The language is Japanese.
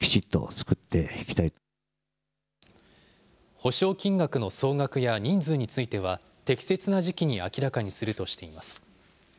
補償金額の総額や人数については、適切な時期に明らかにするとしています。